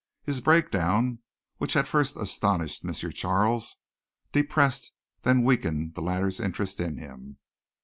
His breakdown, which had first astonished M. Charles, depressed and then weakened the latter's interest in him.